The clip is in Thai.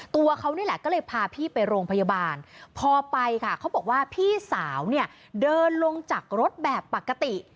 ตัวเขานี่แหละก็เลยพาพี่ไปโรงพยาบาลพอไปค่ะเขาบอกว่าพี่สาวเนี่ยเดินลงจากรถแบบปกติ